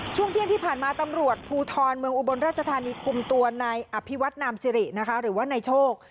ช่วงเที่ยงที่ผ่านมาตำรวจภูทรเมืองอุบลราชธานีคุมตัวนายอภิวัตนามสิรินะคะหรือว่านายโชค